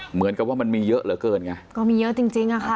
เหมือนกับว่ามันมีเยอะเหลือเกินไงก็มีเยอะจริงจริงอะค่ะ